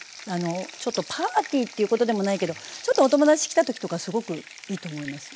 ちょっとパーティーっていうことでもないけどちょっとお友達来た時とかすごくいいと思います。